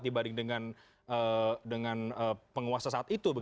dibanding dengan penguasa saat itu